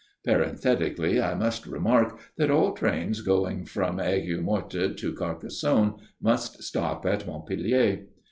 Parenthetically, I must remark that all trains going from Aigues Mortes to Carcassonne must stop at Montpellier.